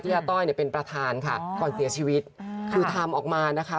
อาต้อยเนี่ยเป็นประธานค่ะก่อนเสียชีวิตคือทำออกมานะคะ